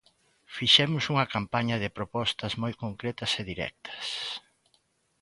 Fixemos unha campaña de propostas moi concretas e directas.